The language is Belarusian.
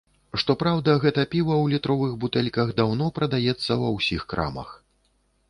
Што праўда, гэта піва ў літровых бутэльках даўно прадаецца ва ўсіх крамах.